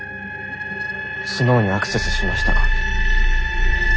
スノウにアクセスしましたか？